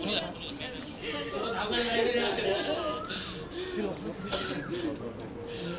เมื่อเวลาเมื่อเวลา